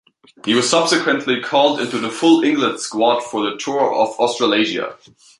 He was subsequently called into the full England squad for the tour of Australasia.